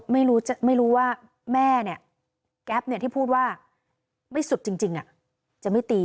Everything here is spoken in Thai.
ไม่รู้ว่าแม่เนี่ยแก๊ปที่พูดว่าไม่สุดจริงจะไม่ตี